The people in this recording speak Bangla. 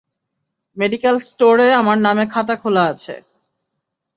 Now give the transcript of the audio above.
মেডিক্যাল স্টোরে আমার নামে খাতা খোলা আছে।